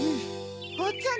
おっちゃん